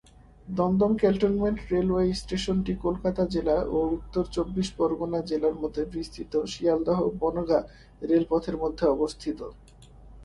Dumdum cantonment railway স্টেশনটি কলকাতা জেলা ও উত্তর চব্বিশ পরগণা জেলার মধ্যে বিস্তৃত শিয়ালদহ বনগাঁ রেলপথের মধ্যে অবস্থিত।